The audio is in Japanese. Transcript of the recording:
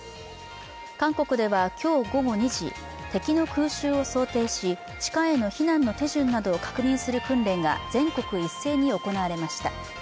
韓国では今日午後２時、敵の空襲を想定し、地下への避難の手順などを確認する訓練が全国一斉に行われました。